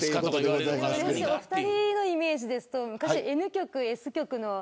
お二人のイメージだと昔、Ｎ極Ｓ極の。